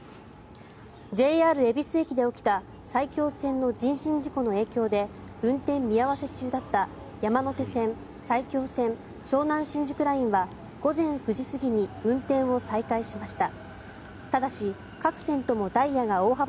ＪＲ恵比寿駅で起きた埼京線の人身事故の影響で運転見合わせ中だった山手線、埼京線湘南新宿ラインは午前９時過ぎに運転を再開しました。